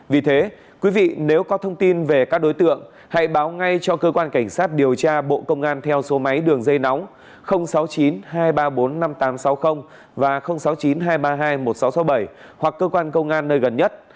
vì thế quý vị nếu có thông tin về các đối tượng hãy báo ngay cho cơ quan cảnh sát điều tra bộ công an theo số máy đường dây nóng sáu mươi chín hai trăm ba mươi bốn năm nghìn tám trăm sáu mươi và sáu mươi chín hai trăm ba mươi hai một nghìn sáu trăm sáu mươi bảy hoặc cơ quan công an nơi gần nhất